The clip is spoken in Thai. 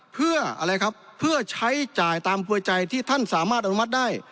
เพื่อใช้จ่ายตามเวชใหญ่ที่ท่านสามารถอนุมัติได้